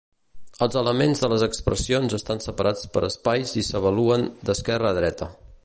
Els elements de les expressions estan separats per espais i s'avaluen d'esquerre a dreta.